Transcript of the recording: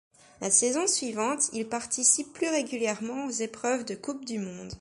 La saison suivante, il participe plus régulièrement aux épreuves de Coupe du monde.